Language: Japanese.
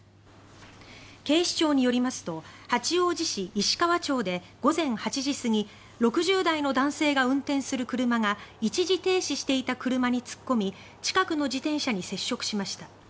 警視庁によりますと八王子市石川町で午前８時過ぎ６０代の男性が運転する車が一時停止していた車に突っ込み近くの自転車に接触しました。